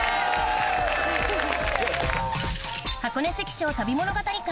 箱根関所旅物語館